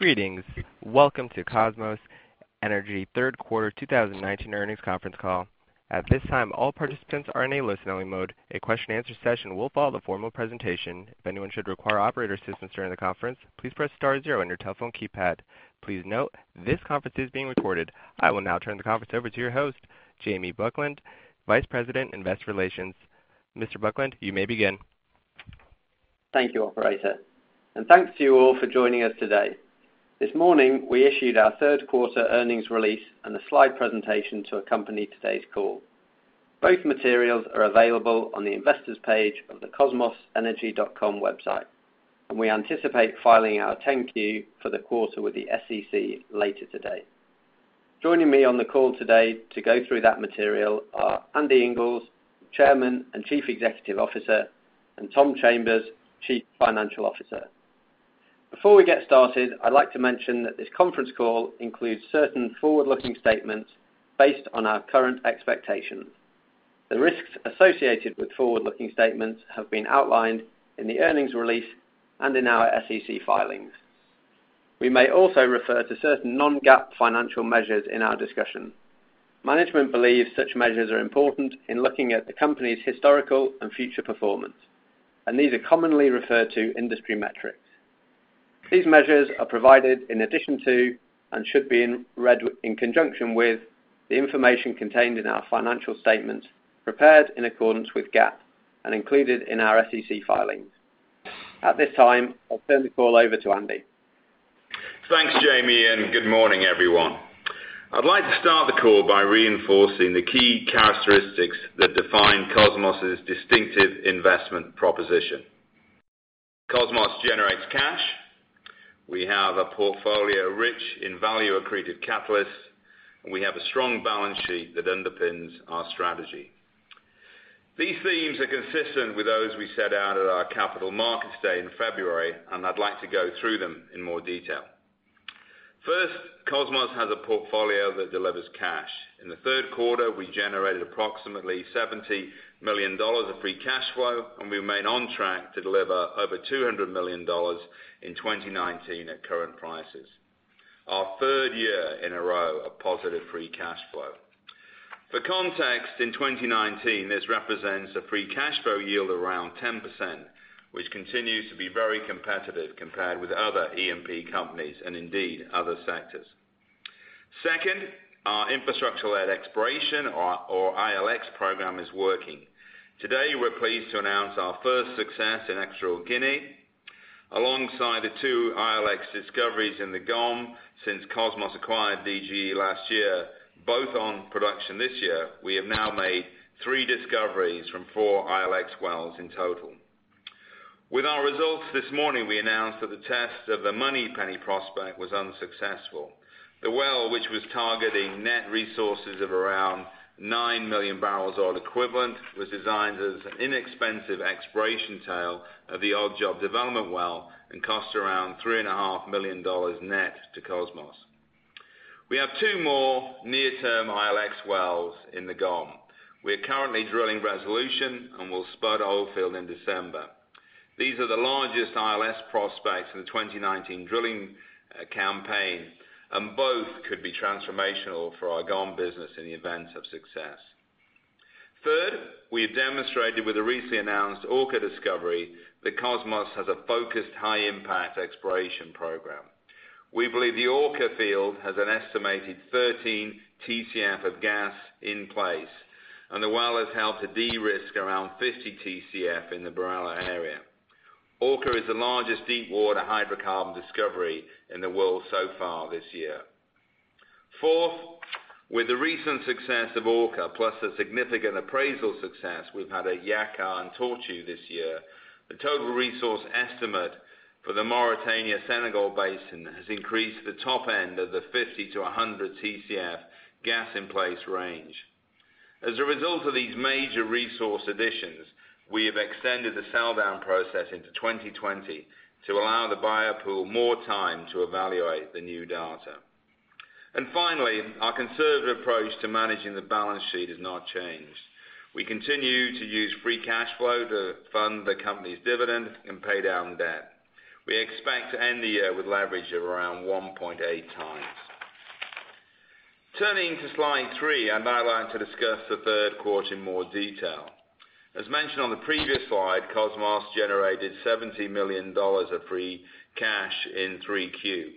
Greetings. Welcome to Kosmos Energy third quarter 2019 earnings conference call. At this time, all participants are in a listen-only mode. A question and answer session will follow the formal presentation. If anyone should require operator assistance during the conference, please press star zero on your telephone keypad. Please note this conference is being recorded. I will now turn the conference over to your host, Jamie Buckland, Vice President, Investor Relations. Mr. Buckland, you may begin. Thank you, operator, and thanks to you all for joining us today. This morning, we issued our third quarter earnings release and the slide presentation to accompany today's call. Both materials are available on the investors page of the kosmosenergy.com website, and we anticipate filing our 10-Q for the quarter with the SEC later today. Joining me on the call today to go through that material are Andy Inglis, Chairman and Chief Executive Officer, and Tom Chambers, Chief Financial Officer. Before we get started, I'd like to mention that this conference call includes certain forward-looking statements based on our current expectations. The risks associated with forward-looking statements have been outlined in the earnings release and in our SEC filings. We may also refer to certain non-GAAP financial measures in our discussion. Management believes such measures are important in looking at the company's historical and future performance, and these are commonly referred to industry metrics. These measures are provided in addition to and should be read in conjunction with the information contained in our financial statements prepared in accordance with GAAP and included in our SEC filings. At this time, I'll turn the call over to Andy. Thanks, Jamie, and good morning, everyone. I'd like to start the call by reinforcing the key characteristics that define Kosmos' distinctive investment proposition. Kosmos generates cash. We have a portfolio rich in value-accretive catalysts, and we have a strong balance sheet that underpins our strategy. These themes are consistent with those we set out at our Capital Markets Day in February, and I'd like to go through them in more detail. First, Kosmos has a portfolio that delivers cash. In the third quarter, we generated approximately $70 million of free cash flow, and we remain on track to deliver over $200 million in 2019 at current prices. Our third year in a row of positive free cash flow. For context, in 2019, this represents a free cash flow yield around 10%, which continues to be very competitive compared with other E&P companies and indeed, other sectors. Second, our infrastructure-led exploration or ILX program is working. Today, we're pleased to announce our first success in Equatorial Guinea alongside the two ILX discoveries in the GoM since Kosmos acquired DGE last year, both on production this year. We have now made three discoveries from four ILX wells in total. With our results this morning, we announced that the test of the Moneypenny prospect was unsuccessful. The well, which was targeting net resources of around 9 million barrels oil equivalent, was designed as an inexpensive exploration tail of the Oddjob development well and cost around $3.5 million net to Kosmos. We have two more near-term ILX wells in the GoM. We are currently drilling Resolution and will spud Oldfield in December. These are the largest ILX prospects in the 2019 drilling campaign, and both could be transformational for our GoM business in the event of success. We have demonstrated with the recently announced Orca discovery that Kosmos has a focused, high-impact exploration program. We believe the Orca field has an estimated 13 Tcf of gas in place, and the well has helped to de-risk around 50 Tcf in the Barela area. Orca is the largest deepwater hydrocarbon discovery in the world so far this year. With the recent success of Orca, plus the significant appraisal success we've had at Yakaar and Tortue this year, the total resource estimate for the Mauritania-Senegal Basin has increased the top end of the 50-100 Tcf gas in place range. As a result of these major resource additions, we have extended the sell-down process into 2020 to allow the buyer pool more time to evaluate the new data. Finally, our conservative approach to managing the balance sheet has not changed. We continue to use free cash flow to fund the company's dividend and pay down debt. We expect to end the year with leverage of around 1.8 times. Turning to slide three, I'd like to discuss the third quarter in more detail. As mentioned on the previous slide, Kosmos generated $70 million of free cash in three Q.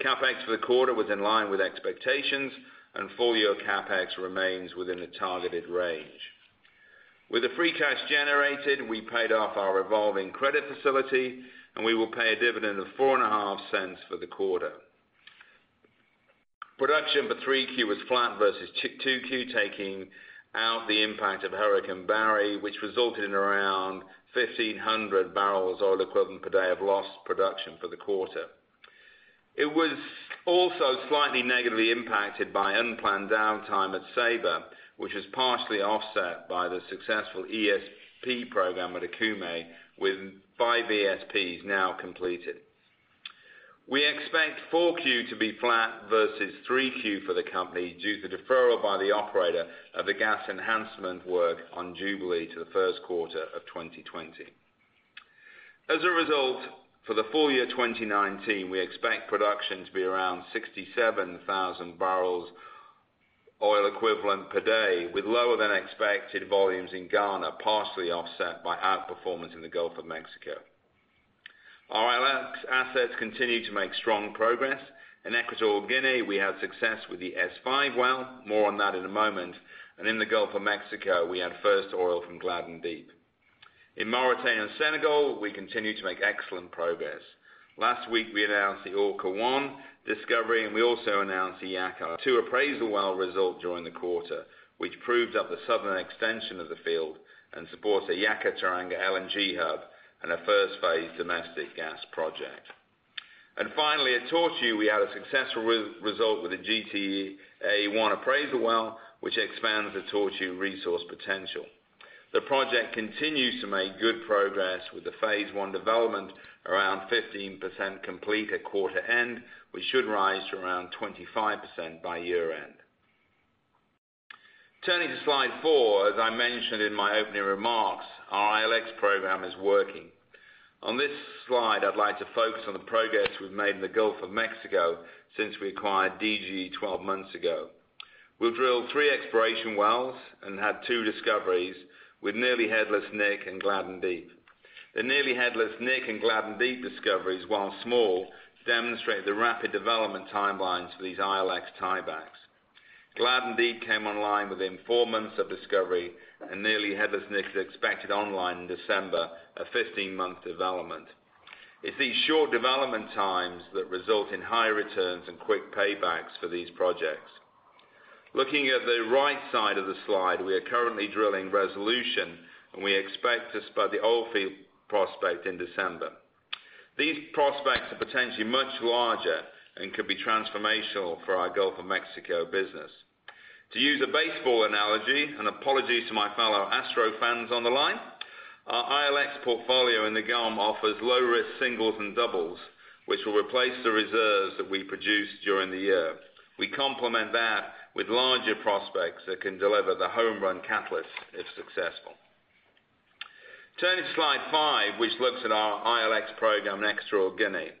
CapEx for the quarter was in line with expectations, and full-year CapEx remains within the targeted range. With the free cash generated, we paid off our revolving credit facility, and we will pay a dividend of $4.5 for the quarter. Production for three Q was flat versus two Q, taking out the impact of Hurricane Barry, which resulted in around 1,500 barrels oil equivalent per day of lost production for the quarter. It was also slightly negatively impacted by unplanned downtime at Ceiba, which was partially offset by the successful ESP program at Okume, with 5 ESPs now completed. We expect 4Q to be flat versus 3Q for the company due to deferral by the operator of the gas enhancement work on Jubilee to the first quarter of 2020. As a result, for the full year 2019, we expect production to be around 67,000 barrels oil equivalent per day, with lower than expected volumes in Ghana, partially offset by outperformance in the Gulf of Mexico. Our ILX assets continue to make strong progress. In Equatorial Guinea, we had success with the S-5 well. More on that in a moment. In the Gulf of Mexico, we had first oil from Gladden Deep. In Mauritania and Senegal, we continue to make excellent progress. Last week, we announced the Orca-1 discovery. We also announced the Yakaar-2 appraisal well result during the quarter, which proves up the southern extension of the field and supports a Yakaar-Teranga LNG hub and a first phase domestic gas project. Finally, at Tortue, we had a successful result with the GTA-1 appraisal well, which expands the Tortue resource potential. The project continues to make good progress with the phase 1 development around 15% complete at quarter end, which should rise to around 25% by year-end. Turning to slide four, as I mentioned in my opening remarks, our ILX program is working. On this slide, I'd like to focus on the progress we've made in the Gulf of Mexico since we acquired DG 12 months ago. We've drilled three exploration wells and had two discoveries with Nearly Headless Nick and Gladden Deep. The Nearly Headless Nick and Gladden Deep discoveries, while small, demonstrate the rapid development timelines for these ILX tie-backs. Gladden Deep came online within four months of discovery, and Nearly Headless Nick is expected online in December, a 15-month development. It's these short development times that result in high returns and quick paybacks for these projects. Looking at the right side of the slide, we are currently drilling Resolution, and we expect to spud the Oldfield Prospect in December. To use a baseball analogy, and apologies to my fellow Astro fans on the line, our ILX portfolio in the GoM offers low-risk singles and doubles, which will replace the reserves that we produced during the year. We complement that with larger prospects that can deliver the home-run catalyst if successful. Turning to slide five, which looks at our ILX program in Equatorial Guinea.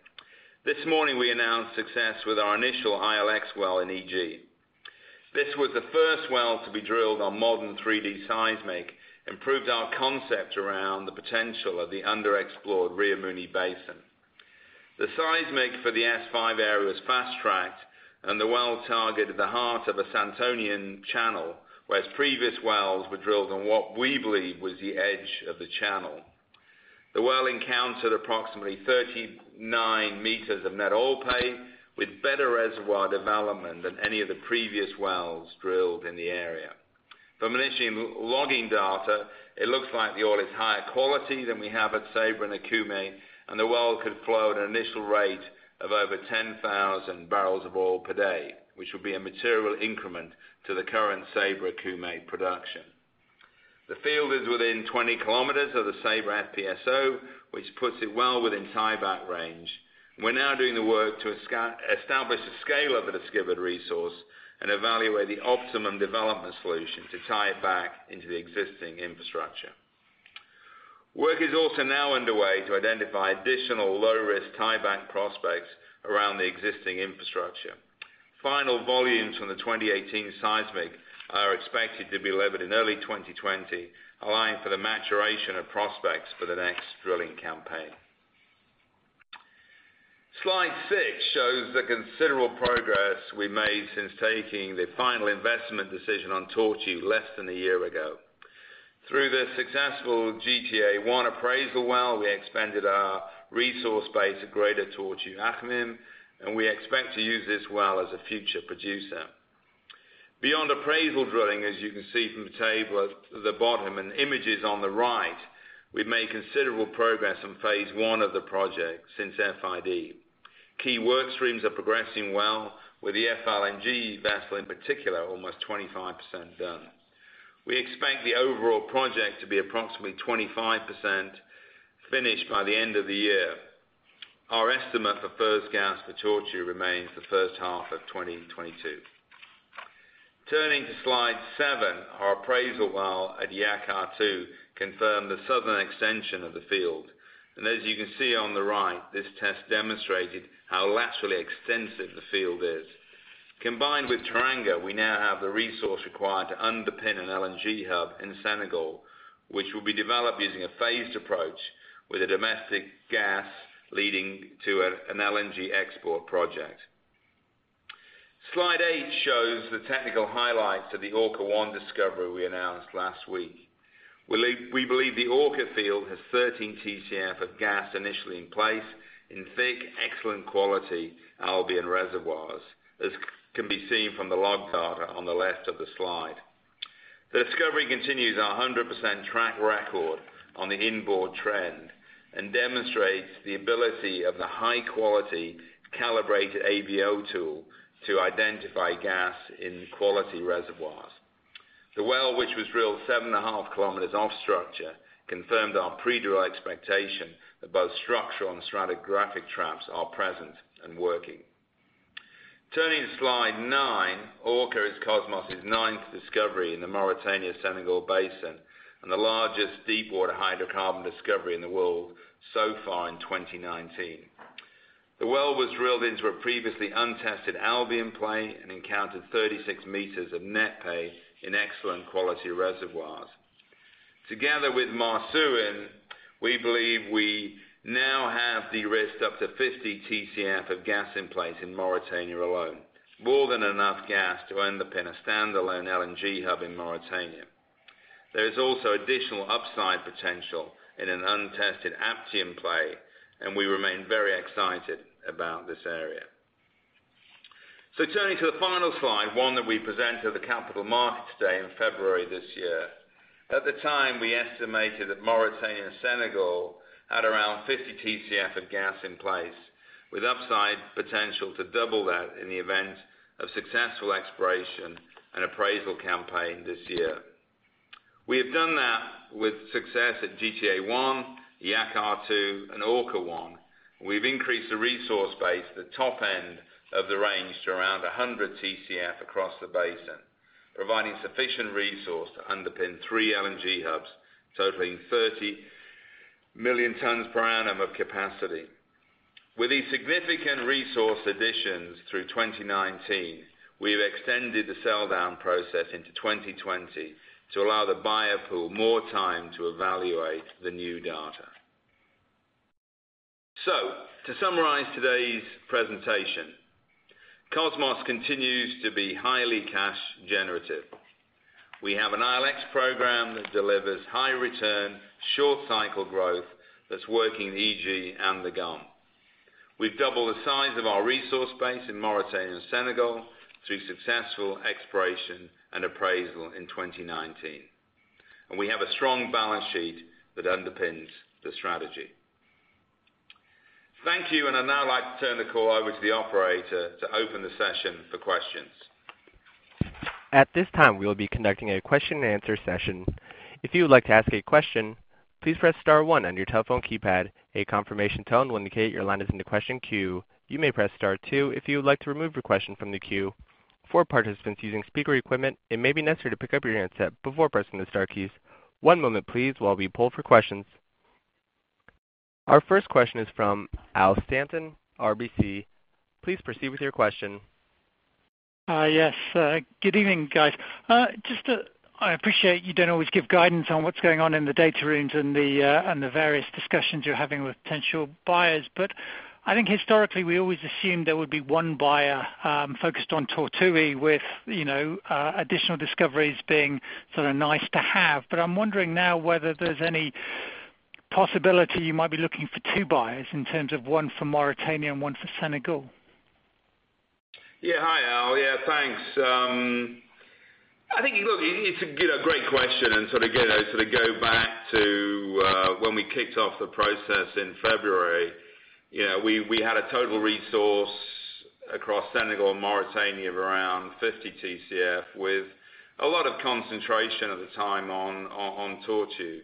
This morning, we announced success with our initial ILX well in EG. This was the first well to be drilled on modern 3D seismic, improved our concept around the potential of the underexplored Rio Muni Basin. The seismic for the S-5 area was fast-tracked, and the well targeted the heart of a Santonian channel, whereas previous wells were drilled on what we believe was the edge of the channel. The well encountered approximately 39 meters of net oil pay, with better reservoir development than any of the previous wells drilled in the area. From initial logging data, it looks like the oil is higher quality than we have at Ceiba and Okume, and the well could flow at an initial rate of over 10,000 barrels of oil per day, which will be a material increment to the current Ceiba-Okume production. The field is within 20 kilometers of the Ceiba FPSO, which puts it well within tie-back range. We're now doing the work to establish the scale of the discovered resource and evaluate the optimum development solution to tie it back into the existing infrastructure. Work is also now underway to identify additional low-risk tie-back prospects around the existing infrastructure. Final volumes from the 2018 seismic are expected to be delivered in early 2020, allowing for the maturation of prospects for the next drilling campaign. Slide six shows the considerable progress we made since taking the final investment decision on Tortue less than a year ago. Through the successful GTA-1 appraisal well, we expanded our resource base at Greater Tortue Ahmeyim, and we expect to use this well as a future producer. Beyond appraisal drilling, as you can see from the table at the bottom and images on the right, we've made considerable progress on phase one of the project since FID. Key work streams are progressing well with the FLNG vessel, in particular, almost 25% done. We expect the overall project to be approximately 25% finished by the end of the year. Our estimate for first gas for Tortue remains the first half of 2022. Turning to slide seven, our appraisal well at Yakaar-2 confirmed the southern extension of the field. As you can see on the right, this test demonstrated how laterally extensive the field is. Combined with Teranga, we now have the resource required to underpin an LNG hub in Senegal, which will be developed using a phased approach with a domestic gas leading to an LNG export project. Slide eight shows the technical highlights of the Orca-1 discovery we announced last week. We believe the Orca field has 13 Tcf of gas initially in place in thick, excellent quality Albian reservoirs, as can be seen from the log data on the left of the slide. The discovery continues our 100% track record on the inboard trend and demonstrates the ability of the high-quality calibrated AVO tool to identify gas in quality reservoirs. The well, which was drilled seven and a half kilometers off-structure, confirmed our pre-drill expectation that both structural and stratigraphic traps are present and working. Turning to slide nine, Orca is Kosmos' ninth discovery in the Mauritania-Senegal basin, and the largest deepwater hydrocarbon discovery in the world so far in 2019. The well was drilled into a previously untested Albian play and encountered 36 meters of net pay in excellent quality reservoirs. Together with Marsouin, we believe we now have de-risked up to 50 Tcf of gas in place in Mauritania alone, more than enough gas to underpin a standalone LNG hub in Mauritania. There is also additional upside potential in an untested Aptian play, and we remain very excited about this area. Turning to the final slide, one that we presented at the Capital Markets Day in February 2019. At the time, we estimated that Mauritania and Senegal had around 50 Tcf of gas in place, with upside potential to double that in the event of successful exploration and appraisal campaign this year. We have done that with success at GTA-1, Yakaar-2, and Orca-1. We've increased the resource base at the top end of the range to around 100 Tcf across the basin, providing sufficient resource to underpin three LNG hubs totaling 30 million tons per annum of capacity. With these significant resource additions through 2019, we've extended the selldown process into 2020 to allow the buyer pool more time to evaluate the new data. To summarize today's presentation, Kosmos continues to be highly cash generative. We have an ILX program that delivers high return, short cycle growth that's working in the EG and the GoM. We've doubled the size of our resource base in Mauritania and Senegal through successful exploration and appraisal in 2019. We have a strong balance sheet that underpins the strategy. Thank you, and I'd now like to turn the call over to the operator to open the session for questions. At this time, we will be conducting a question and answer session. If you would like to ask a question, please press star one on your telephone keypad. A confirmation tone will indicate your line is in the question queue. You may press star two if you would like to remove your question from the queue. For participants using speaker equipment, it may be necessary to pick up your handset before pressing the star keys. One moment please, while we poll for questions. Our first question is from Al Stanton, RBC. Please proceed with your question. Yes. Good evening, guys. I appreciate you don't always give guidance on what's going on in the data rooms and the various discussions you're having with potential buyers. I think historically, we always assumed there would be one buyer focused on Tortue with additional discoveries being sort of nice to have. I'm wondering now whether there's any possibility you might be looking for two buyers in terms of one for Mauritania and one for Senegal. Hi, Al. Thanks. To sort of go back to when we kicked off the process in February. We had a total resource across Senegal and Mauritania of around 50 Tcf with a lot of concentration at the time on Tortue.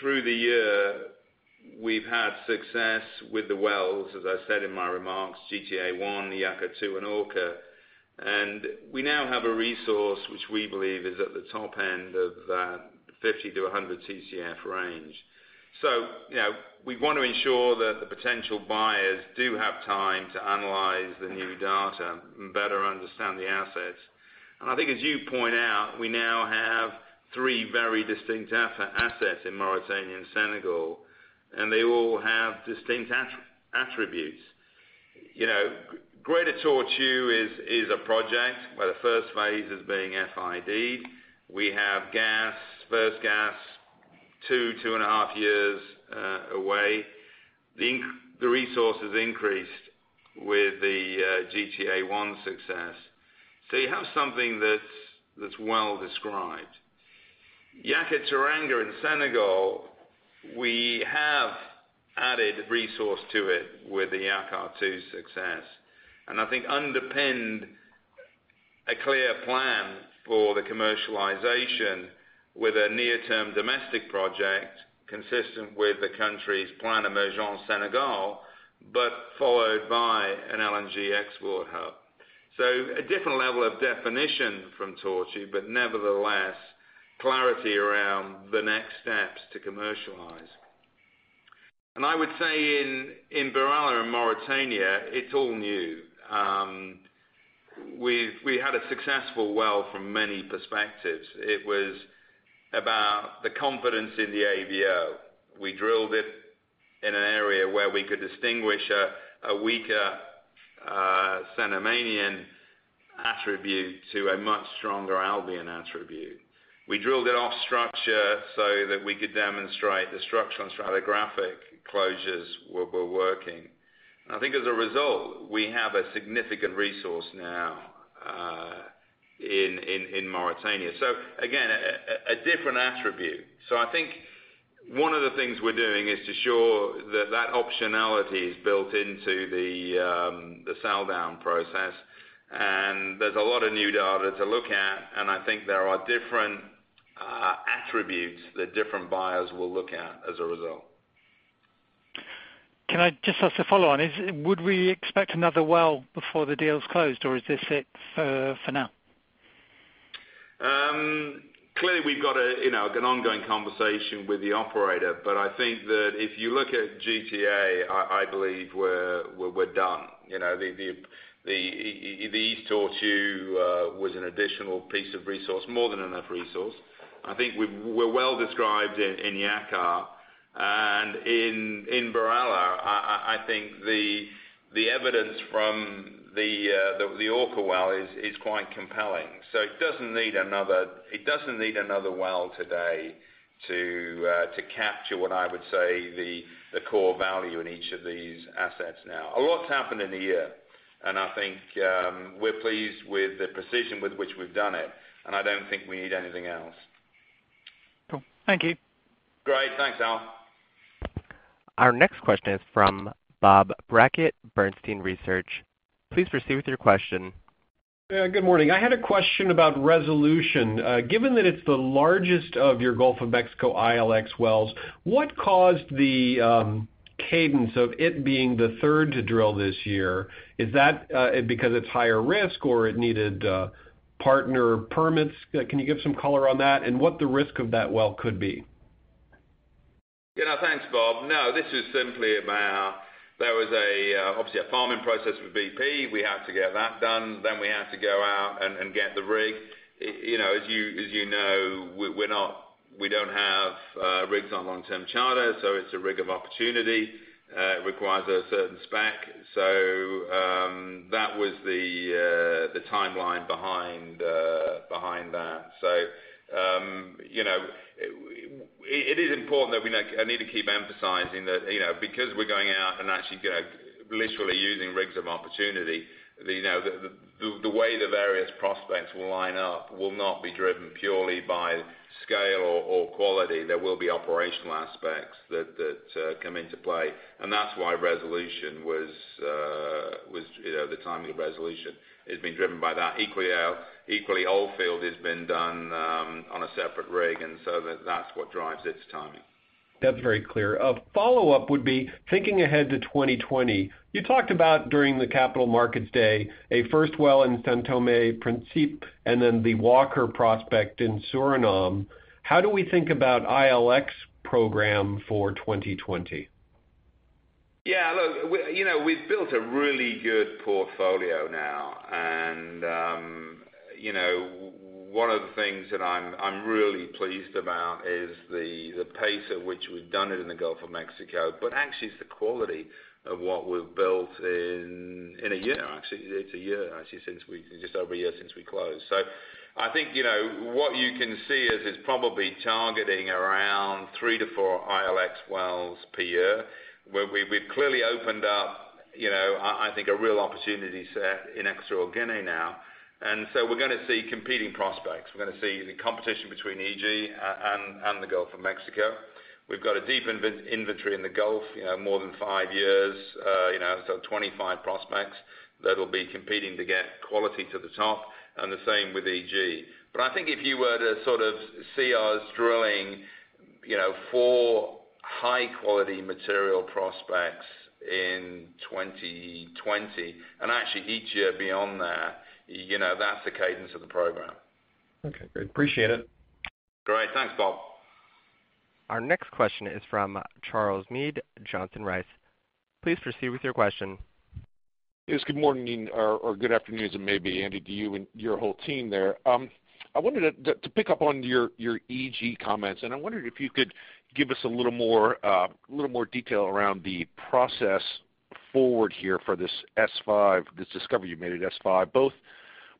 Through the year, we've had success with the wells, as I said in my remarks, GTA-1, Yakaar-2, and Orca. We now have a resource which we believe is at the top end of that 50-100 Tcf range. We want to ensure that the potential buyers do have time to analyze the new data and better understand the assets. I think as you point out, we now have three very distinct assets in Mauritania and Senegal, and they all have distinct attributes. Greater Tortue is a project where the first phase is being FID. We have first gas, two and a half years away. The resource has increased with the GTA-1 success. You have something that's well-described. Yakaar-Teranga in Senegal, we have added resource to it with the Yakaar-2 success, and I think underpinned a clear plan for the commercialization with a near-term domestic project consistent with the country's Plan Sénégal Émergent, but followed by an LNG export hub. A different level of definition from Tortue, but nevertheless, clarity around the next steps to commercialize. I would say in BirAllah in Mauritania, it's all new. We had a successful well from many perspectives. It was about the confidence in the AVO. We drilled it in an area where we could distinguish a weaker Cenomanian attribute to a much stronger Albian attribute. We drilled it off structure so that we could demonstrate the structural and stratigraphic closures were working. I think as a result, we have a significant resource now in Mauritania. Again, a different attribute. I think one of the things we're doing is to show that that optionality is built into the sell down process. There's a lot of new data to look at, and I think there are different attributes that different buyers will look at as a result. Can I just ask a follow-on? Would we expect another well before the deal's closed, or is this it for now? Clearly, we've got an ongoing conversation with the operator. But I think that if you look at GTA, I believe we're done. The East Tortue was an additional piece of resource, more than enough resource. I think we're well described in Yakaar, and in BirAllah, I think the evidence from the Orca well is quite compelling. So it doesn't need another well today to capture what I would say the core value in each of these assets now. A lot's happened in a year, and I think we're pleased with the precision with which we've done it, and I don't think we need anything else. Cool. Thank you. Great. Thanks, Al. Our next question is from Bob Brackett, Bernstein. Please proceed with your question. Yeah, good morning. I had a question about Resolution. Given that it's the largest of your Gulf of Mexico ILX wells, what caused the cadence of it being the third to drill this year? Is that because it's higher risk or it needed partner permits? Can you give some color on that and what the risk of that well could be? Thanks, Bob. This is simply about, there was obviously a farming process with BP. We had to get that done, then we had to go out and get the rig. As you know, we don't have rigs on long-term charter, so it's a rig of opportunity. It requires a certain spec. That was the timeline behind that. It is important that I need to keep emphasizing that because we're going out and actually literally using rigs of opportunity, the way the various prospects will line up will not be driven purely by scale or quality. There will be operational aspects that come into play, and that's why Resolution was the timing of Resolution. It's been driven by that. Equally, Oldfield has been done on a separate rig, and so that's what drives its timing. That's very clear. A follow-up would be thinking ahead to 2020. You talked about during the Capital Markets Day, a first well in São Tomé, Príncipe, and then the Walker prospect in Suriname. How do we think about ILX program for 2020? Yeah, look, we've built a really good portfolio now. One of the things that I'm really pleased about is the pace at which we've done it in the Gulf of Mexico, but actually, it's the quality of what we've built in a year, actually. It's a year, actually, just over a year since we closed. I think what you can see is it's probably targeting around three to four ILX wells per year. We've clearly opened up I think a real opportunity set in Equatorial Guinea now. We're going to see competing prospects. We're going to see the competition between EG and the Gulf of Mexico. We've got a deep inventory in the Gulf, more than five years. 25 prospects that'll be competing to get quality to the top, and the same with EG. I think if you were to sort of see us drilling four high-quality material prospects in 2020, and actually each year beyond that's the cadence of the program. Okay, great. Appreciate it. Great. Thanks, Bob. Our next question is from Charles Meade, Johnson Rice. Please proceed with your question. Yes, good morning, or good afternoon as it may be, Andy, to you and your whole team there. I wanted to pick up on your EG comments, and I wondered if you could give us a little more detail around the process forward here for this S5, this discovery you made at S5, both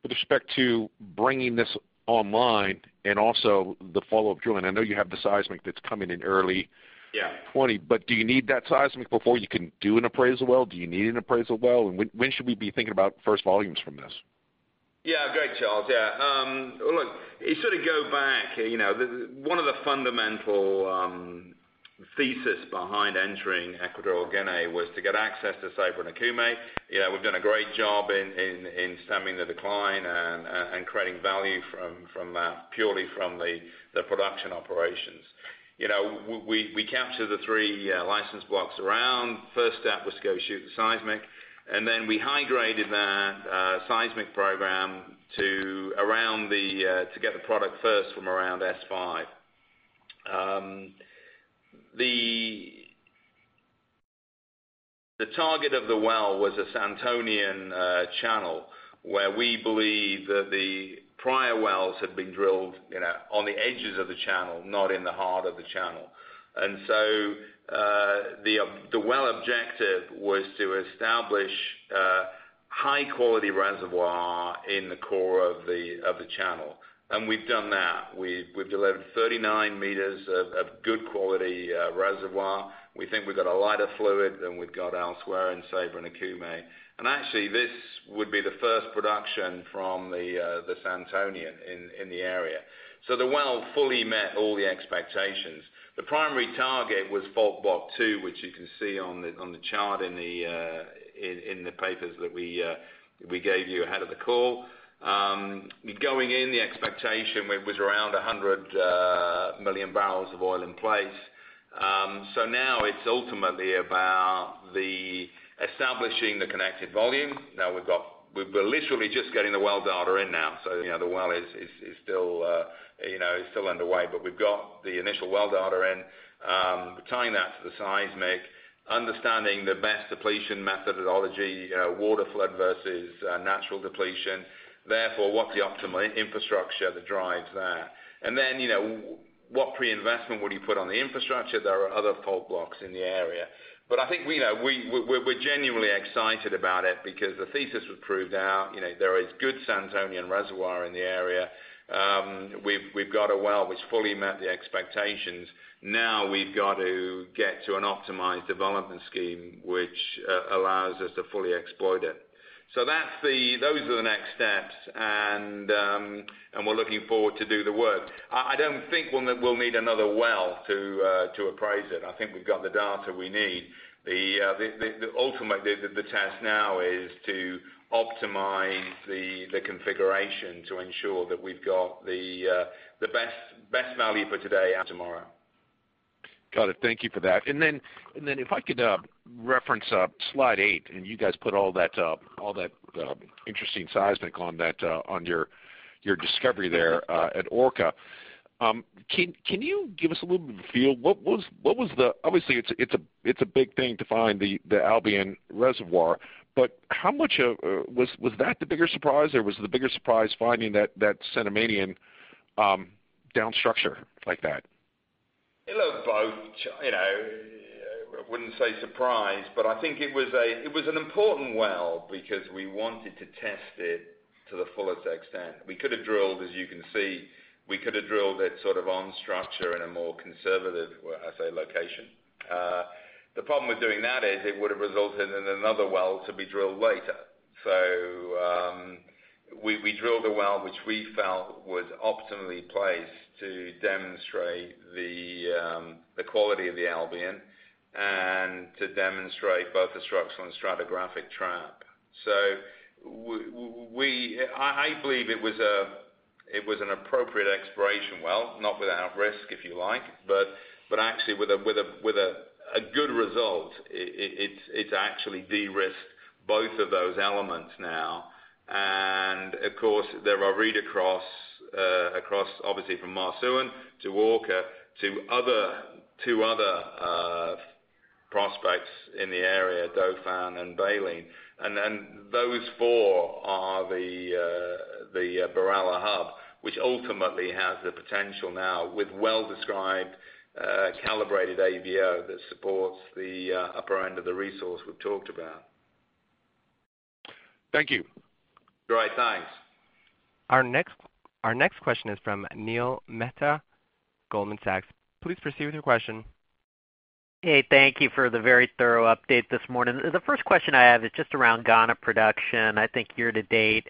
with respect to bringing this online and also the follow-up drilling. I know you have the seismic that's coming in early. Yeah 2020. Do you need that seismic before you can do an appraisal well? Do you need an appraisal well? When should we be thinking about first volumes from this? Great, Charles. You sort of go back, one of the fundamental thesis behind entering Equatorial Guinea was to get access to Ceiba and Okume. We've done a great job in stemming the decline and creating value from that, purely from the production operations. We captured the three license blocks around. First step was to go shoot the seismic, we hydrated that seismic program to get the product first from around S5. The target of the well was a Santonian channel, where we believe that the prior wells had been drilled on the edges of the channel, not in the heart of the channel. The well objective was to establish a high-quality reservoir in the core of the channel. We've done that. We've delivered 39 meters of good quality reservoir. We think we've got a lighter fluid than we've got elsewhere in Ceiba and Okume. Actually, this would be the first production from the Santonian in the area. The well fully met all the expectations. The primary target was fault block 2, which you can see on the chart in the papers that we gave you ahead of the call. Going in, the expectation was around 100 million barrels of oil in place. Now it's ultimately about establishing the connected volume. We're literally just getting the well data in now. The well is still underway. We've got the initial well data in. We're tying that to the seismic, understanding the best depletion methodology, water flood versus natural depletion. Therefore, what's the optimal infrastructure that drives that? Then, what pre-investment would you put on the infrastructure? There are other fault blocks in the area. I think we're genuinely excited about it because the thesis was proved out. There is good Santonian reservoir in the area. We've got a well which fully met the expectations. We've got to get to an optimized development scheme which allows us to fully exploit it. Those are the next steps, and we're looking forward to do the work. I don't think we'll need another well to appraise it. I think we've got the data we need. The ultimate test now is to optimize the configuration to ensure that we've got the best value for today and tomorrow. Got it. Thank you for that. If I could reference slide eight, and you guys put all that interesting seismic on your discovery there at Orca. Can you give us a little bit of a feel? Obviously it's a big thing to find the Albian reservoir, but was that the bigger surprise or was the bigger surprise finding that Cenomanian down structure like that? A little of both. I wouldn't say surprised, but I think it was an important well because we wanted to test it to the fullest extent. We could have drilled, as you can see, we could have drilled it sort of on-structure in a more conservative, I'd say, location. The problem with doing that is it would have resulted in another well to be drilled later. We drilled a well which we felt was optimally placed to demonstrate the quality of the Albian and to demonstrate both the structural and stratigraphic trap. I believe it was an appropriate exploration well, not without risk, if you like. Actually with a good result. It's actually de-risked both of those elements now. Of course, there are read across obviously from Marsouin to Orca to other prospects in the area, Dauphin and Baleen. Those four are the BirAllah hub, which ultimately has the potential now with well-described, calibrated AVO that supports the upper end of the resource we've talked about. Thank you. All right. Thanks. Our next question is from Neil Mehta, Goldman Sachs. Please proceed with your question. Hey, thank you for the very thorough update this morning. The first question I have is just around Ghana production. I think year to date,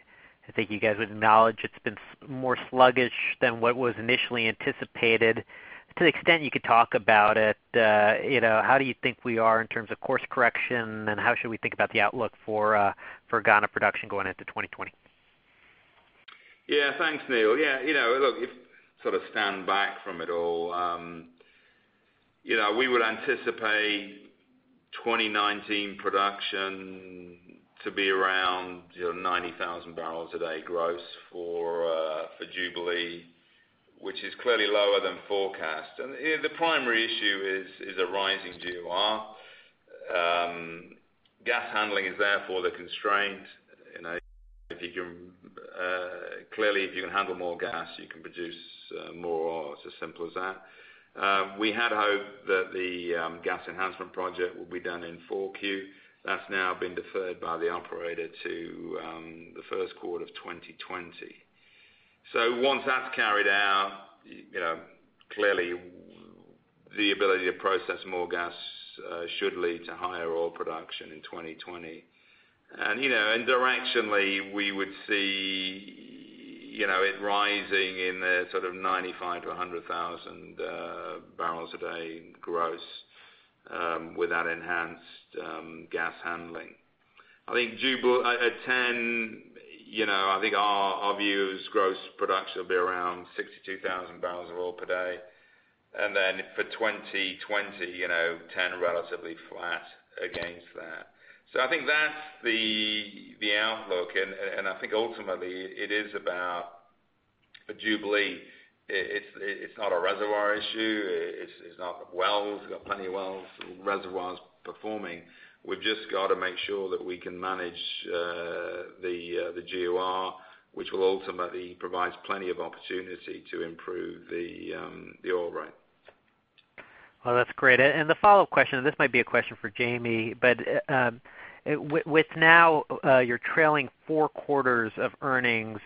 I think you guys would acknowledge it's been more sluggish than what was initially anticipated. To the extent you could talk about it, how do you think we are in terms of course correction, and how should we think about the outlook for Ghana production going into 2020? Thanks, Neil. Look, if sort of stand back from it all, we would anticipate 2019 production to be around 90,000 barrels a day gross for Jubilee, which is clearly lower than forecast. The primary issue is a rising GOR. Gas handling is therefore the constraint. Clearly, if you can handle more gas, you can produce more oil. It's as simple as that. We had hoped that the gas enhancement project would be done in 4Q. That's now been deferred by the operator to the first quarter of 2020. Once that's carried out, clearly the ability to process more gas should lead to higher oil production in 2020. Directionally, we would see it rising in the sort of 95 to 100,000 barrels a day gross, with that enhanced gas handling. I think our view is gross production will be around 62,000 barrels of oil per day. For 2020, 10 relatively flat against that. I think that's the outlook. I think ultimately it is about the Jubilee. It's not a reservoir issue. It's not wells. We've got plenty of wells, reservoirs performing. We've just got to make sure that we can manage the GOR, which will ultimately provide plenty of opportunity to improve the oil rate. Well, that's great. The follow-up question, this might be a question for Jamie, but with now you're trailing four quarters of earnings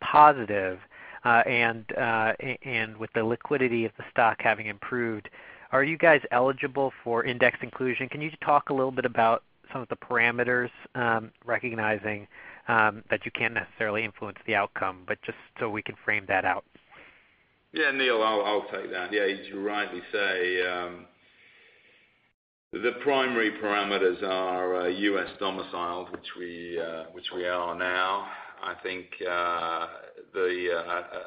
positive, and with the liquidity of the stock having improved, are you guys eligible for index inclusion? Can you just talk a little bit about some of the parameters? Recognizing that you can't necessarily influence the outcome, but just so we can frame that out. Yeah, Neil, I'll take that. As you rightly say, the primary parameters are U.S. domiciled, which we are now. I think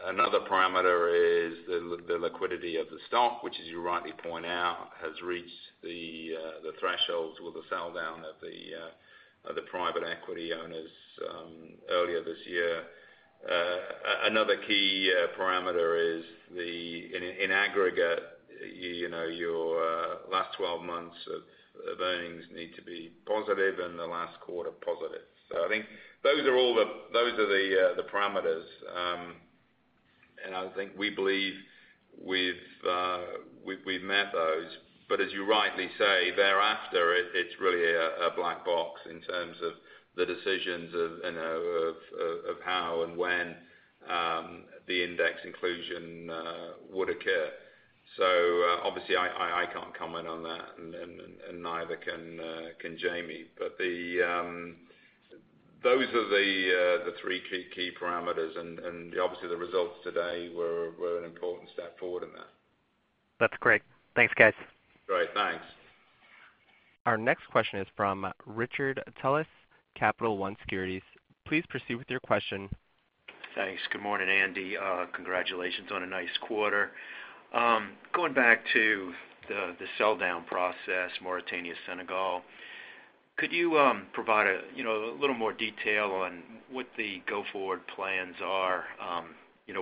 another parameter is the liquidity of the stock, which as you rightly point out, has reached the thresholds with the sell down of the private equity owners earlier this year. Another key parameter is in aggregate, your last 12 months of earnings need to be positive and the last quarter positive. I think those are the parameters. I think we believe we've met those. As you rightly say, thereafter, it's really a black box in terms of the decisions of how and when the index inclusion would occur. Obviously I can't comment on that and neither can Jamie. Those are the three key parameters and obviously the results today were an important step forward in that. That's great. Thanks, guys. Great. Thanks. Our next question is from Richard Tullis, Capital One Securities. Please proceed with your question. Thanks. Good morning, Andy. Congratulations on a nice quarter. Going back to the sell-down process, Mauritania-Senegal. Could you provide a little more detail on what the go-forward plans are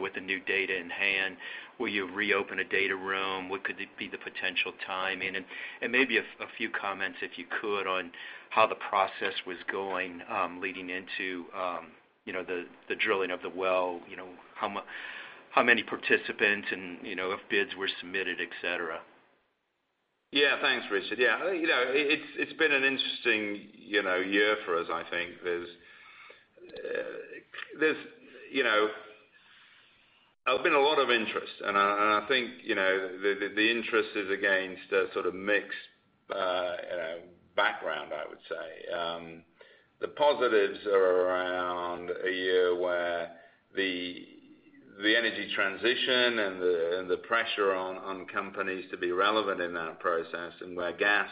with the new data in hand? Will you reopen a data room? What could be the potential timing? Maybe a few comments, if you could, on how the process was going leading into the drilling of the well. How many participants and if bids were submitted, et cetera. Thanks, Richard. It's been an interesting year for us, I think. There's been a lot of interest. I think the interest is against a sort of mixed background, I would say. The positives are around a year where the energy transition and the pressure on companies to be relevant in that process, where gas,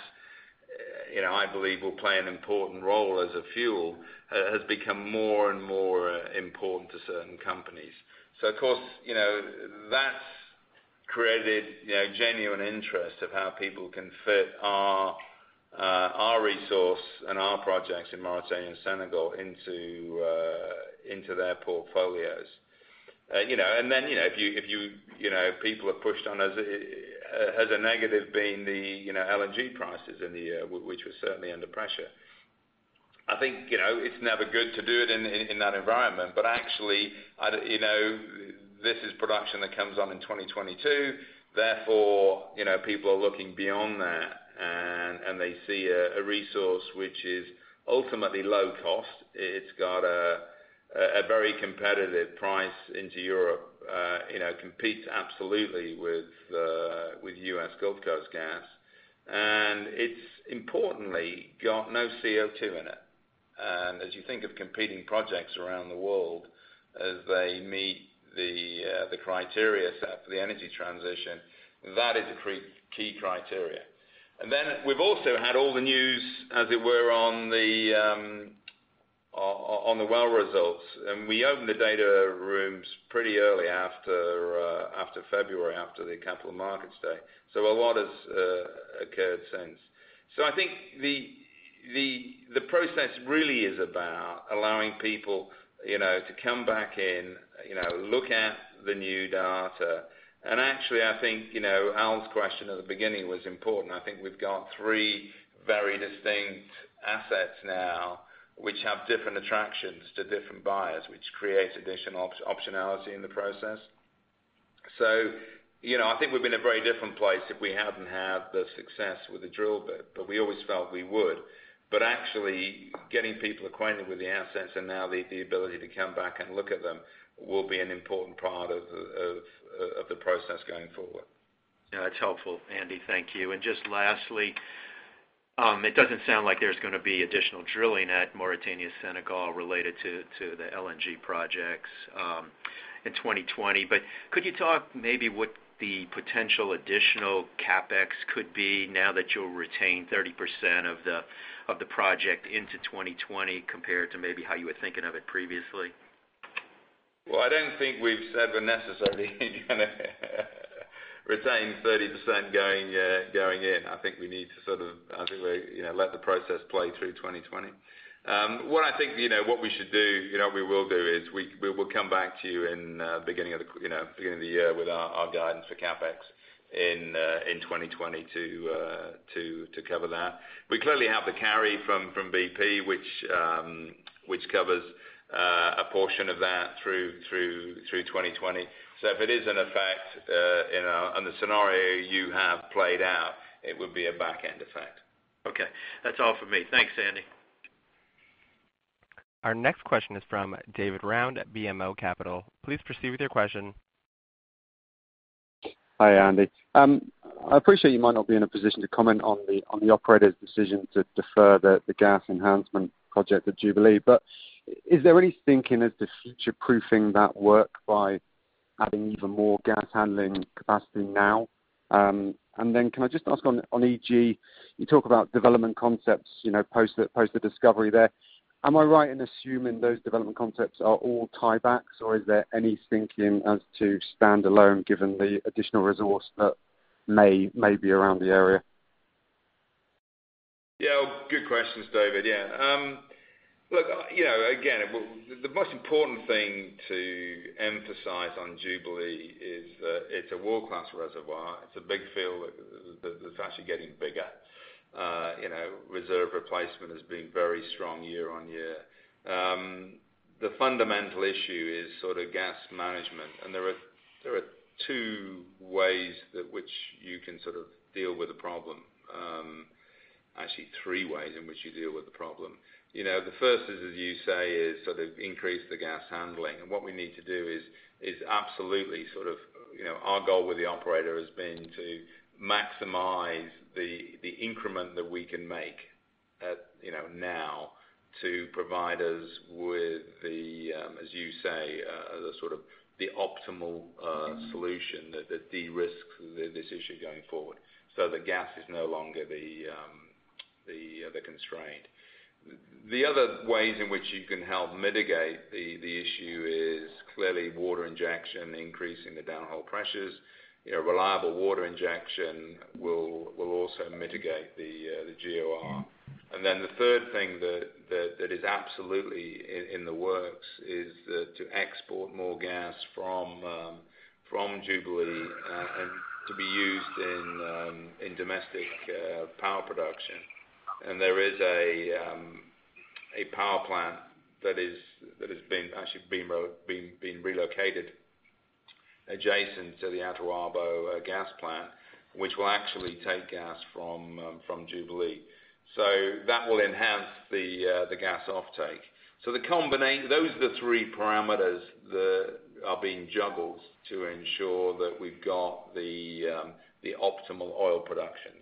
I believe will play an important role as a fuel, has become more and more important to certain companies. Of course, that's created genuine interest of how people can fit our resource and our projects in Mauritania and Senegal into their portfolios. If people have pushed on us, as a negative being the LNG prices in the year, which were certainly under pressure. I think it's never good to do it in that environment. Actually, this is production that comes on in 2022. People are looking beyond that and they see a resource which is ultimately low cost. It's got a very competitive price into Europe, competes absolutely with U.S. Gulf Coast gas. It's importantly got no CO2 in it. As you think of competing projects around the world, as they meet the criteria set for the energy transition, that is a key criteria. We've also had all the news, as it were, on the well results. We opened the data rooms pretty early after February, after the Capital Markets Day. A lot has occurred since. I think the process really is about allowing people to come back in, look at the new data. Actually, I think Al's question at the beginning was important. I think we've got three very distinct assets now which have different attractions to different buyers, which creates additional optionality in the process. I think we'd be in a very different place if we hadn't had the success with the drill bit, but we always felt we would. Actually getting people acquainted with the assets and now the ability to come back and look at them will be an important part of the process going forward. Yeah. That's helpful, Andy. Thank you. Just lastly, it doesn't sound like there's going to be additional drilling at Mauritania-Senegal related to the LNG projects in 2020. Could you talk maybe what the potential additional CapEx could be now that you'll retain 30% of the project into 2020 compared to maybe how you were thinking of it previously? I don't think we've said we're necessarily going to retain 30% going in. I think we need to sort of let the process play through 2020. What I think what we should do, what we will do is we will come back to you in the beginning of the year with our guidance for CapEx in 2020 to cover that. We clearly have the carry from BP which covers a portion of that through 2020. If it is an effect on the scenario you have played out, it would be a back end effect. Okay. That's all from me. Thanks, Andy. Our next question is from David Round at BMO Capital. Please proceed with your question. Hi, Andy. I appreciate you might not be in a position to comment on the operator's decision to defer the gas enhancement project at Jubilee, but is there any thinking of future-proofing that work by adding even more gas handling capacity now. Can I just ask on EG, you talk about development concepts, post the discovery there. Am I right in assuming those development concepts are all tiebacks, or is there any thinking as to standalone, given the additional resource that may be around the area? Yeah. Good questions, David. Yeah. Look, again, the most important thing to emphasize on Jubilee is that it's a world-class reservoir. It's a big field that's actually getting bigger. Reserve replacement has been very strong year-on-year. The fundamental issue is sort of gas management, and there are two ways that which you can sort of deal with the problem. Actually, three ways in which you deal with the problem. The first is, as you say, is sort of increase the gas handling. What we need to do is absolutely sort of, our goal with the operator has been to maximize the increment that we can make now to provide us with the, as you say, the sort of the optimal solution that de-risks this issue going forward. The gas is no longer the constraint. The other ways in which you can help mitigate the issue is clearly water injection, increasing the downhole pressures. Reliable water injection will also mitigate the GOR. The third thing that is absolutely in the works is to export more gas from Jubilee, and to be used in domestic power production. There is a power plant that has been actually being relocated adjacent to the Atuabo gas plant, which will actually take gas from Jubilee. That will enhance the gas offtake. Those are the three parameters that are being juggled to ensure that we've got the optimal oil production.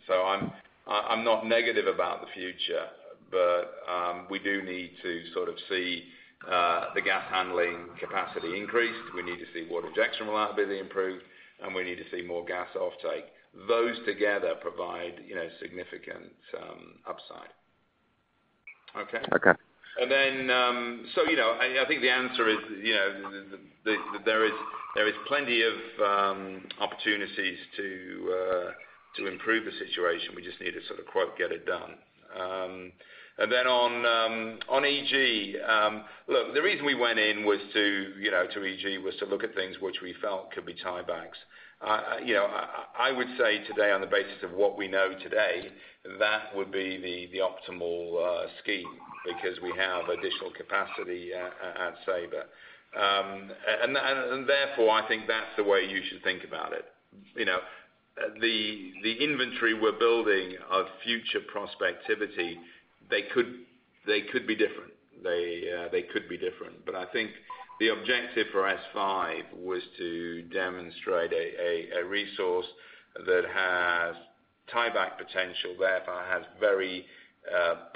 I'm not negative about the future, but we do need to sort of see the gas handling capacity increased. We need to see water injection reliability improved, and we need to see more gas offtake. Those together provide significant upside. Okay. Okay. I think the answer is there is plenty of opportunities to improve the situation. We just need to sort of, quote, "Get it done." On EG, look, the reason we went in was to look at things which we felt could be tiebacks. I would say today, on the basis of what we know today, that would be the optimal scheme because we have additional capacity at Ceiba. I think that's the way you should think about it. The inventory we're building of future prospectivity, they could be different. I think the objective for S-5 was to demonstrate a resource that has tieback potential, therefore has very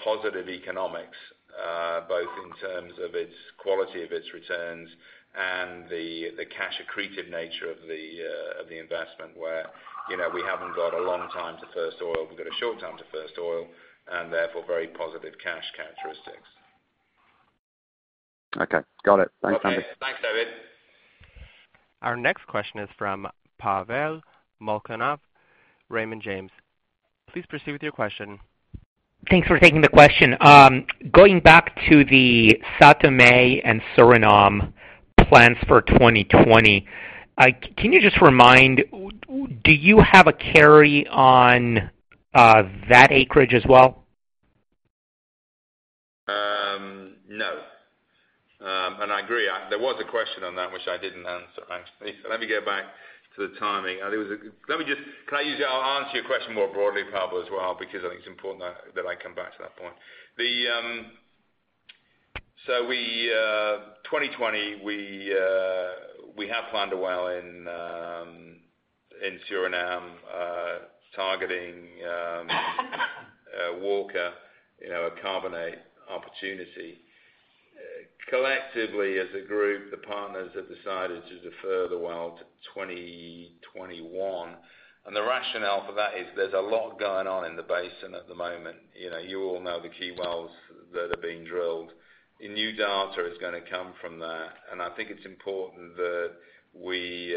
positive economics, both in terms of its quality of its returns and the cash accretive nature of the investment where we haven't got a long time to first oil. We've got a short time to first oil, and therefore, very positive cash characteristics. Okay. Got it. Thanks, Andy. Okay. Thanks, David. Our next question is from Pavel Molchanov, Raymond James. Please proceed with your question. Thanks for taking the question. Going back to the São Tomé and Suriname plans for 2020. Can you just remind, do you have a carry on that acreage as well? No. I agree, there was a question on that which I didn't answer, actually. Let me get back to the timing. I'll answer your question more broadly, Pavel, as well, because I think it's important that I come back to that point. 2020, we have planned a well in Suriname, targeting Walker, a carbonate opportunity. Collectively as a group, the partners have decided to defer the well to 2021. The rationale for that is there's a lot going on in the basin at the moment. You all know the key wells that are being drilled. New data is going to come from that, and I think it's important that we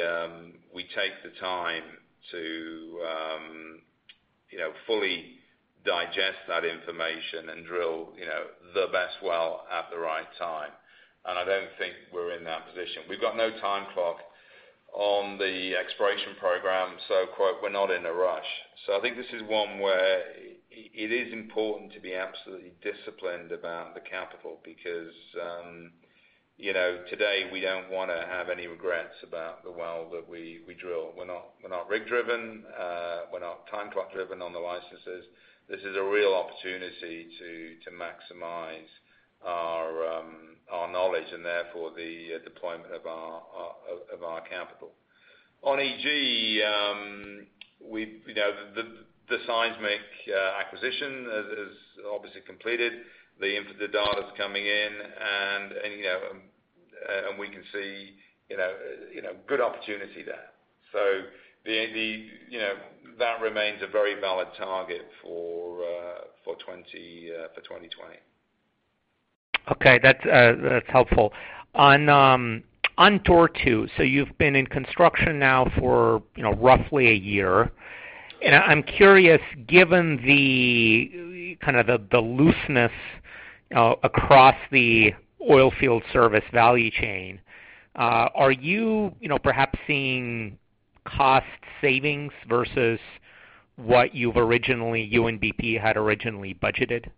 take the time to fully digest that information and drill the best well at the right time. I don't think we're in that position. We've got no time clock on the exploration program, quote, "We're not in a rush." I think this is one where it is important to be absolutely disciplined about the capital because, today we don't want to have any regrets about the well that we drill. We're not rig driven. We're not time clock driven on the licenses. This is a real opportunity to maximize our knowledge and therefore the deployment of our capital. On E.G., the seismic acquisition is obviously completed. The data is coming in, and we can see good opportunity there. That remains a very valid target for 2020. Okay. That's helpful. On Tortue, you've been in construction now for roughly a year. I'm curious, given the looseness across the oil field service value chain, are you perhaps seeing cost savings versus what you and BP had originally budgeted?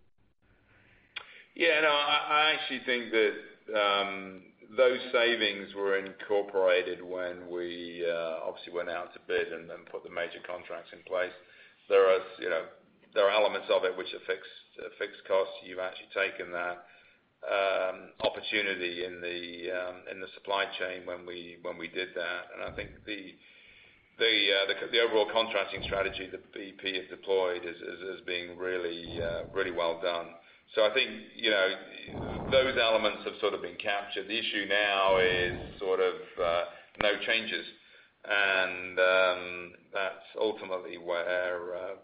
Yeah, no, I actually think that those savings were incorporated when we obviously went out to bid and then put the major contracts in place. There are elements of it which are fixed costs. You've actually taken that opportunity in the supply chain when we did that. I think the overall contracting strategy that BP has deployed has been really well done. I think those elements have sort of been captured. The issue now is sort of no changes, and that's ultimately where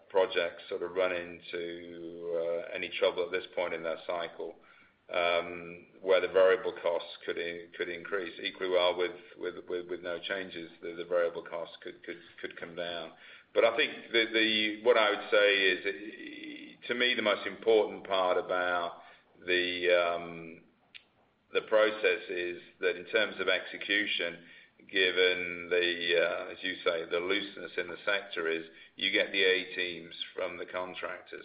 projects sort of run into any trouble at this point in their cycle, where the variable costs could increase equally well with no changes, the variable costs could come down. I think what I would say is, to me, the most important part about the process is that in terms of execution, given the, as you say, the looseness in the sector is you get the A teams from the contractors.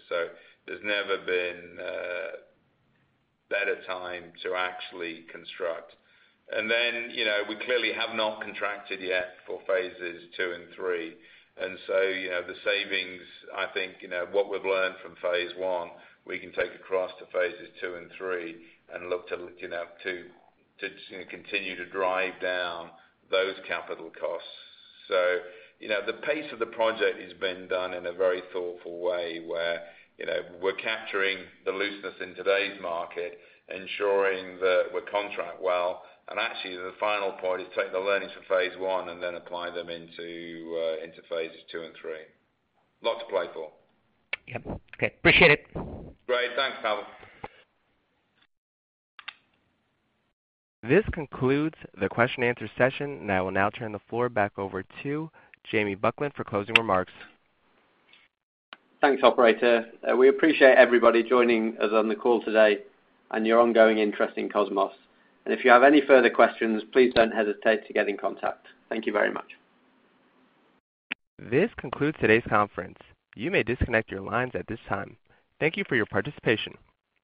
There's never been a better time to actually construct. We clearly have not contracted yet for phases 2 and 3. The savings, I think, what we've learned from phase 1, we can take across to phases 2 and 3 and look to continue to drive down those capital costs. The pace of the project has been done in a very thoughtful way, where we're capturing the looseness in today's market, ensuring that we contract well. Actually, the final point is take the learnings from phase 1 and then apply them into phases 2 and 3. Lot to play for. Yep. Okay. Appreciate it. Great. Thanks, Pavel. This concludes the question and answer session, and I will now turn the floor back over to Jamie Buckland for closing remarks. Thanks, operator. We appreciate everybody joining us on the call today and your ongoing interest in Kosmos. If you have any further questions, please don't hesitate to get in contact. Thank you very much. This concludes today's conference. You may disconnect your lines at this time. Thank you for your participation.